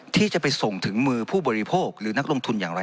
ที่จะไปส่งถึงมือผู้บริโภคหรือนักลงทุนอย่างไร